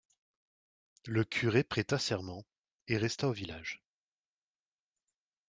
Le curé prêta serment et resta au village.